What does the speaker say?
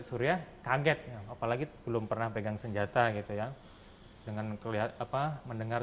suria kagetnya apalagi belum pernah pegang senjata gitu yang dengan kelihatan apa mendengar